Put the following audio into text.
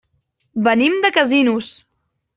Venim de Casinos.